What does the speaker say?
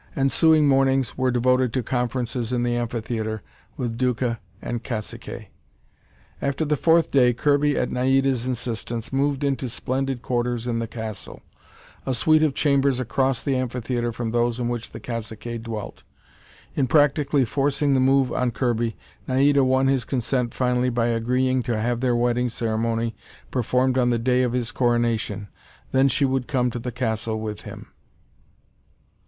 Ensuing mornings were devoted to conferences in the amphitheatre with Duca and caciques. After the fourth day Kirby, at Naida's insistence, moved into splendid quarters in the castle a suite of chambers across the amphitheatre from those in which the caciques dwelt. In practically forcing the move on Kirby, Naida won his consent finally by agreeing to have their wedding ceremony performed on the day of his coronation; then she would come to the castle with him.